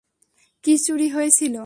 কী চুরি হয়েছিল?